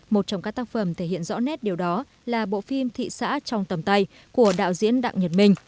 một trong các tác phẩm thể hiện rõ nét điều đó là bộ phim thị xã trong tầm tay của đạo diễn đặng nhật minh